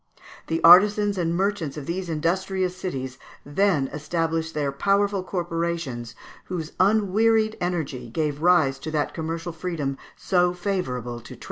The artizans and merchants of these industrious cities then established their powerful corporations, whose unwearied energy gave rise to that commercial freedom so favourable to trade.